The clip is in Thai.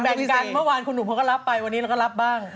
เป็นแบ่งการที่เมื่อวานคุณหนูเขาก็รับไปวันนี้เราก็รับบ้าง